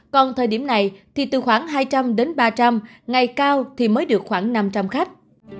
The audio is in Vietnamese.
còn thời điểm này thì từ khoảng hai trăm linh đến ba trăm linh ngày cao thì mới được khoảng năm trăm linh khách